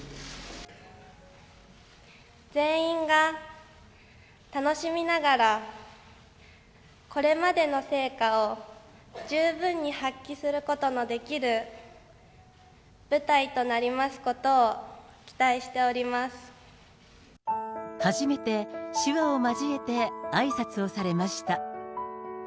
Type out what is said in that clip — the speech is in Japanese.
全員が楽しみながら、これまでの成果を十分に発揮することのできる舞台となりますこと初めて手話を交えてあいさつをされました。